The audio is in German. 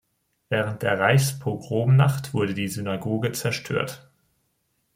Während der Reichspogromnacht wurde die Synagoge zerstört.